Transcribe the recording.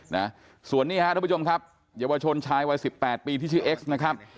นะส่วนนี้ฮะทุกผู้ชมครับเยาวชนชายวัยสิบแปดปีที่ชื่อเอ็กซ์นะครับ